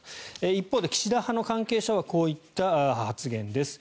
一方で岸田派の関係者はこういった発言です。